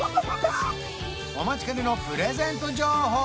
お待ちかねのプレゼント情報！